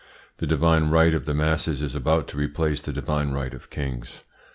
The divine right of the masses is about to replace the divine right of kings.